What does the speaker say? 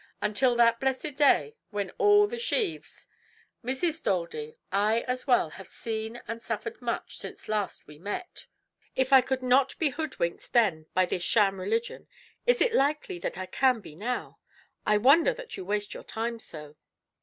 Until that blessed day, when all the sheaves " "Mrs. Daldy, I as well have seen and suffered much since last we met. If I could not be hoodwinked then by this sham religion, is it likely that I can be now? I wonder that you waste your time so."